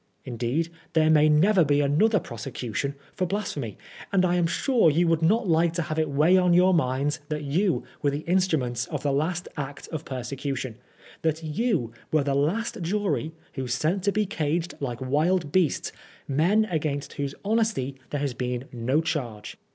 Indeed, there may never be another prosecution for blasphemy, and I am sure you would not like to have it weigh on your minds that you were the instruments of the last act of persecution — ^that you were the last jury who sent to be caged uke wild beasts men against whose honesty there has been no charge.